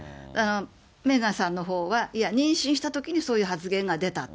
メーガンさんのほうは、いや、妊娠したときにそういう発言が出たと。